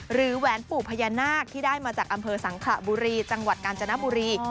แหวนปู่พญานาคที่ได้มาจากอำเภอสังขระบุรีจังหวัดกาญจนบุรี